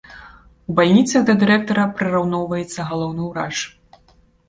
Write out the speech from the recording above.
У бальніцах да дырэктара прыраўноўваецца галоўны ўрач.